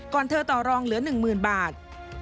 เธอต่อรองเหลือ๑๐๐๐บาท